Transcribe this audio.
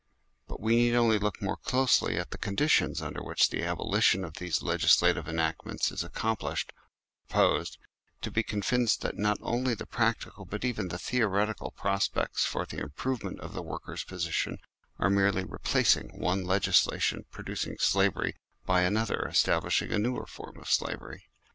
But we need only look more closely at 83 84 THE SLAVERY OF OUR TIMES the conditions under which the abolition of these legislative enactments is accomplished or proposed, to be convinced that not only the practical but even the theoretical projects for the improvement of the workers' position, are merely replacing one legislation producing slavery by another establishing a newer form of slavery.